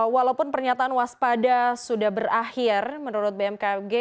walaupun pernyataan waspada sudah berakhir menurut bmkg